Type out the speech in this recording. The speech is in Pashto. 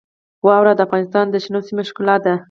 واوره د افغانستان د شنو سیمو ښکلا ده.